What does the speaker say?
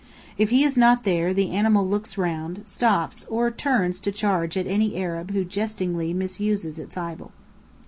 If he is not there, the animal looks round, stops, or turns to charge at any Arab who jestingly misuses its idol.